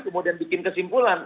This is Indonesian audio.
kemudian bikin kesimpulan